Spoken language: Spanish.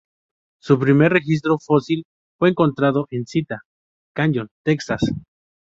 Su primer registro fósil fue encontrado en Cita Canyon, Texas.